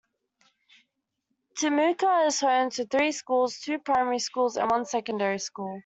Temuka is home to three schools, two primary schools and one secondary school.